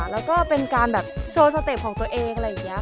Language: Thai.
แล้วก็เป็นการแบบโชว์สเต็ปของตัวเองอะไรอย่างนี้